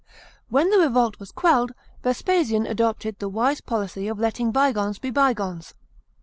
§ 15. When the revolt was quelled, Vespasian adopted the wise policy of letting bygones be bygones.